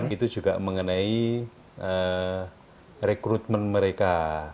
itu juga mengenai rekrutmen mereka